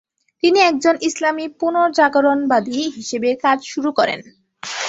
তিনি একজন ইসলামি পুনর্জাগরণবাদি হিসেবে কাজ শুরু করেন।